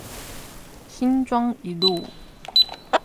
新莊一路